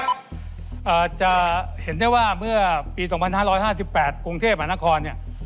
มันจะเห็นได้ว่าเมื่อปี๒๕๕๘กรุงเทพฯอาณาคอร์